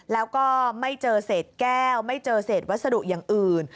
แล้วก็ไม่เจอเศษแก้วไม่เจอเศษวัสดุอย่างอื่น